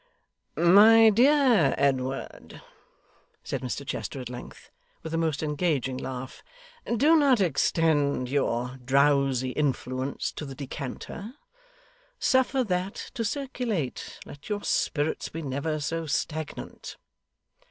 'My dear Edward,' said Mr Chester at length, with a most engaging laugh, 'do not extend your drowsy influence to the decanter. Suffer THAT to circulate, let your spirits be never so stagnant.